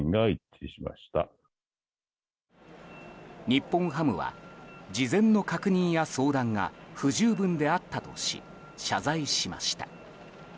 日本ハムは、事前の確認や相談が不十分であったとし謝罪しました。